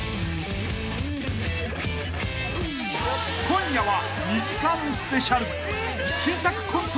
［今夜は２時間スペシャル］